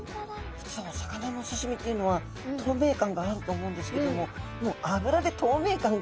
普通お魚のお刺身っていうのは透明感があると思うんですけどももう脂で透明感が。